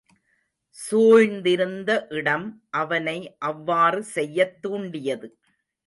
சூழ்ந்திருந்த இடம் அவனை அவ்வாறு செய்யத் தூண்டியது.